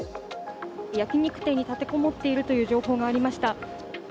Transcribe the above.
焼き肉店に立て籠もっているという情報がありました。